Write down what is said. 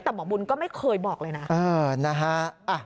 แต่หมอบุญก็ไม่เคยบอกเลยนะ